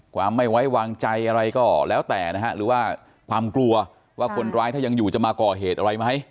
ความไม่ไว้วางใจอะไรก็แล้วแต่นะฮะหรือว่าความกลัวว่าคนร้ายถ้ายังอยู่จะมาก่อเหตุอะไรไหม